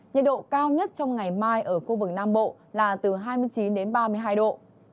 nhiệt độ cao nhất trong ngày mai ở khu vực nam bộ là từ hai mươi chín đến ba mươi hai độ